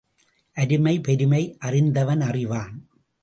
அருமை பெருமை அறிந்தவன் அறிவான்.